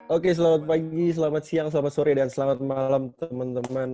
oke selamat pagi selamat siang selamat sore dan selamat malam teman teman